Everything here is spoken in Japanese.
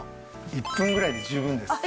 １分ぐらいで十分です。